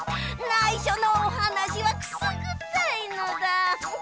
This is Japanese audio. ないしょのおはなしはくすぐったいのだ。